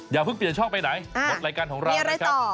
อย่าเพิ่งปีนช่องไปไหนหมดรายการของราวนะครับแม่รายตอบ